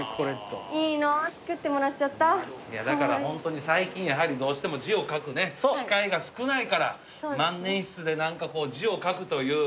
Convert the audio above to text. いやだからホントに最近やはりどうしても字を書くね機会が少ないから万年筆で何かこう字を書くという。